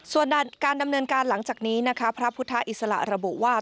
ส่วนการดำเนินการหลังจากนี้นะคะพระพุทธอิสระระบุว่า